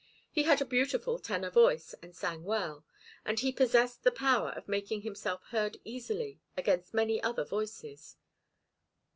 He had a beautiful tenor voice, and sang well; and he possessed the power of making himself heard easily against many other voices.